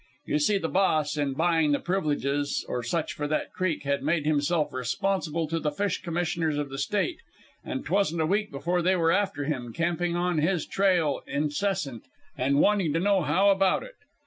You see, the Boss, in buying the privileges or such for that creek, had made himself responsible to the Fish Commissioners of the State, and 'twasn't a week before they were after him, camping on his trail incessant, and wanting to know how about it.